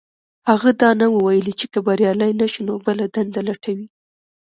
هغه دا نه وو ويلي چې که بريالی نه شو نو بله دنده لټوي.